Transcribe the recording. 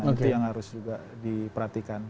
itu yang harus juga diperhatikan